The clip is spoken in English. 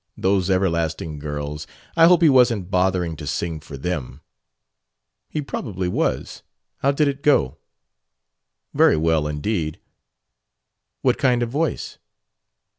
Those everlasting girls I hope he wasn't bothering to sing for them." "He probably was. How did it go?" "Very well indeed." "What kind of voice?"